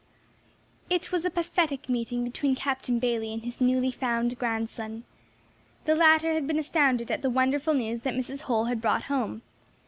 IT was a pathetic meeting between Captain Bayley and his newly found grandson. The latter had been astounded at the wonderful news that Mrs. Holl had brought home.